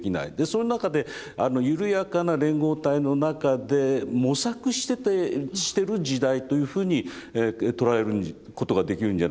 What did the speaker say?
その中で緩やかな連合体の中で模索しててしてる時代というふうに捉えることができるんじゃないでしょうかね。